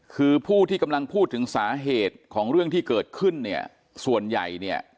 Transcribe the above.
คือผู้ที่กำลังพูดถึงสาเหตุของเรื่องที่เกิดขึ้นเนี่ยส่วนใหญ่เนี่ย